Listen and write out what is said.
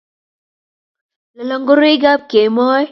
lolong ngoroikab kemoi